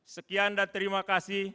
sekian dan terima kasih